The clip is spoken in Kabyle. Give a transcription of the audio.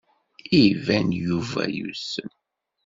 Iban Yuba yusem.